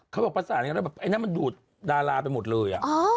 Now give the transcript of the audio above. เขาบอกประสานกันแล้วแบบไอ้นั่นมันดูดดาราไปหมดเลย